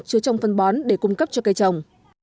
chứa trong phân bón để cung cấp cho cây trồng